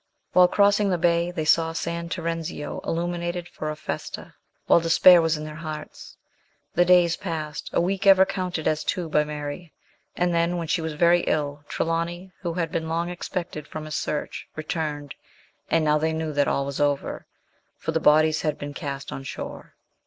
While crossing the bay they saw San Terenzio illuminated for a festa, while despair was in their hearts. The days passed, a week ever counted as two by Mary, and then, when she was very ill, Trelawny, who had been long expected from his search, returned, and now they knew that all was over, for the bodies had been cast on shore.